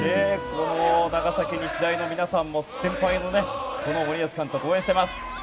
長崎日大の皆さんも先輩の森保監督を応援しています。